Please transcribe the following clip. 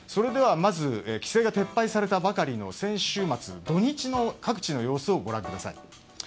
まず規制が撤廃されたばかりの先週末、土日の各地の様子をご覧ください。